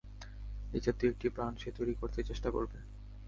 এ জাতীয় একটি প্রাণ সে তৈরি করতে চেষ্টা করবে।